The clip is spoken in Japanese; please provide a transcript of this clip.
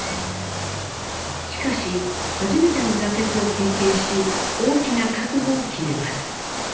しかし初めての挫折を経験し大きな覚悟を決めます。